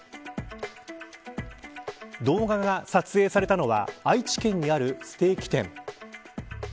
動画が撮影されたのは愛知県にあるステーキ店。